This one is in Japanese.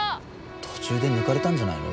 途中で抜かれたんじゃないの？